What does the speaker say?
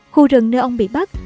khu rừng nơi ông bị bắt